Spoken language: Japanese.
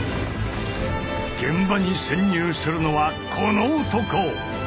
現場に潜入するのはこの男！